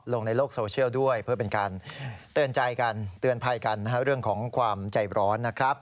ลงในโลกโซเชียลด้วยเพื่อเป็นการเตือนใจกันเตือนภัยกันเรื่องของความใจร้อนนะครับ